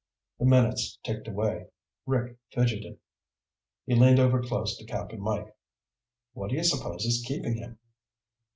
The minutes ticked away. Rick fidgeted. He leaned over close to Cap'n Mike. "What do you suppose is keeping him?"